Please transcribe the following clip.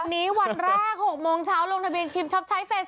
วันนี้วันแรก๖โมงเช้าลงทะเบียนชิมช็อปใช้เฟซ